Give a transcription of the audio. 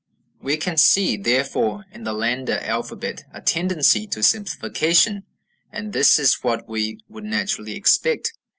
### We can see, therefore, in the Landa alphabet a tendency to simplification. And this is what we would naturally expect.